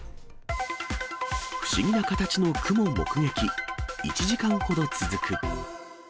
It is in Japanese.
不思議な形の雲目撃、１時間ほど続く。